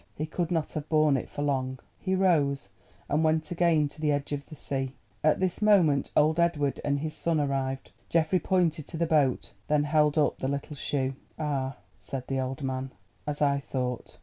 He could not have borne it for long. He rose and went again to the edge of the sea. At this moment old Edward and his son arrived. Geoffrey pointed to the boat, then held up the little shoe. "Ah," said the old man, "as I thought.